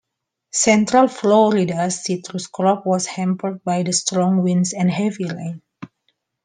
Central Florida's citrus crop was hampered by the strong winds and heavy rain.